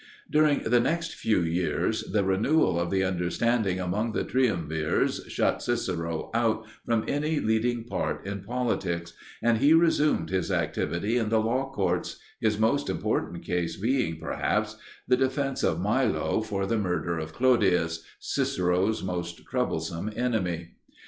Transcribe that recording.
During the next few years the renewal of the understanding among the triumvirs shut Cicero out from any leading part in politics, and he resumed his activity in the law courts, his most important case being, perhaps, the defence of Milo for the murder of Clodius, Cicero's most troublesome enemy.